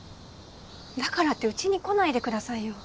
だからってうちに来ないでくださいよ。